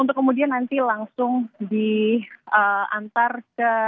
untuk kemudian nanti langsung diantar ke kediaman masing masing